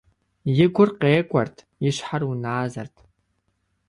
И гур къекӏуэрт, и щхьэр уназэрт.